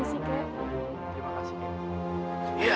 ambil topik sang temu mereka ya